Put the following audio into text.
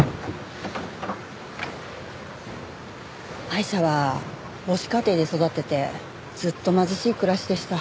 アイシャは母子家庭で育っててずっと貧しい暮らしでした。